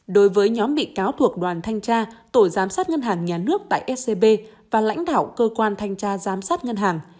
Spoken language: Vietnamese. đối với nhóm bị cáo thuộc đoàn thanh tra tổ giám sát ngân hàng nhà nước tại scb và lãnh đạo cơ quan thanh tra giám sát ngân hàng